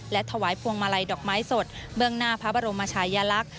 และถวายพวงมาลัยดอกไม้สดเบื้องหน้าพระบรมชายลักษณ์